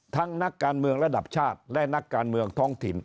นักการเมืองระดับชาติและนักการเมืองท้องถิ่น